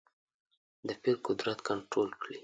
د پیر قدرت کنټرول کړې.